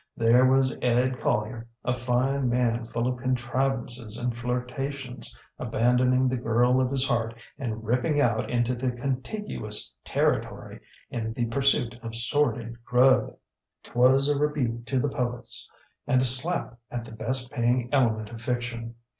There was Ed Collier, a fine man full of contrivances and flirtations, abandoning the girl of his heart and ripping out into the contiguous territory in the pursuit of sordid grub. ŌĆÖTwas a rebuke to the poets and a slap at the best paying element of fiction.